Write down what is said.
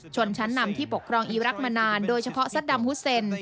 ชนชั้นนำที่ปกครองอีรักษ์มานานโดยเฉพาะซัดดำฮุเซน